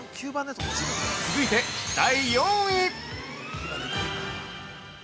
続いて第４位。